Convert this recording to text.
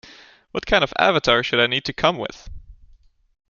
What kind of avatar should I need to come with?